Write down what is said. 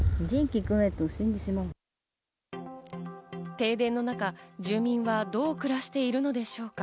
停電の中、住民はどう暮らしているのでしょうか？